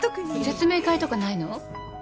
説明会とかないの？